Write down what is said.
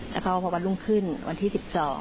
แล้วก็พอวันรุ่งขึ้นวันที่๑๒